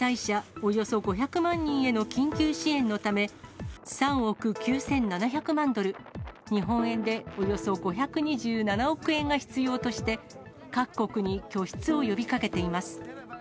およそ５００万人への緊急支援のため、３億９７００万ドル、日本円でおよそ５２７億円が必要として、各国に拠出を呼びかけています。